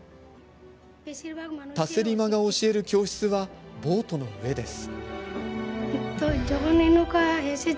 タスリマが教える教室はボートの上です。